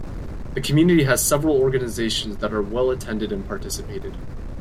The community has several organisations that are well attended and participated.